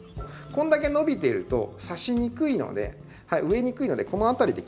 こんだけ伸びてるとさしにくいので植えにくいのでこの辺りで切って。